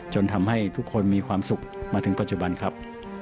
จนทำให้ทุกคนมีความสุขมาถึงปัจจุบันครับ